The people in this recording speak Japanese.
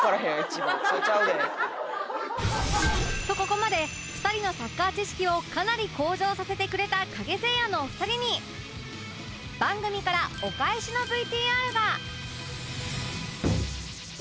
ここまで２人のサッカー知識をかなり向上させてくれたカゲセイヤのお二人に番組からお返しの ＶＴＲ が